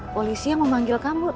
polisi yang memanggil kamu